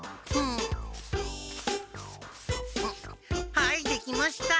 はいできました！